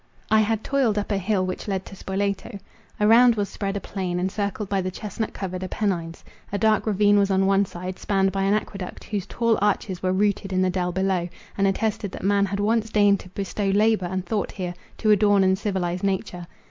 I had toiled up a hill which led to Spoleto. Around was spread a plain, encircled by the chestnut covered Appennines. A dark ravine was on one side, spanned by an aqueduct, whose tall arches were rooted in the dell below, and attested that man had once deigned to bestow labour and thought here, to adorn and civilize nature.